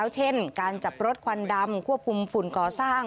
เช่นการจับรถควันดำควบคุมฝุ่นก่อสร้าง